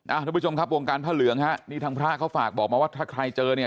ทุกผู้ชมครับวงการพระเหลืองฮะนี่ทางพระเขาฝากบอกมาว่าถ้าใครเจอเนี่ย